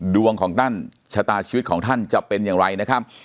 ดวงของท่านชะตาชีวิตของท่านจะเป็นอย่างไรนะครับ